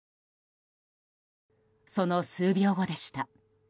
その数秒後でした。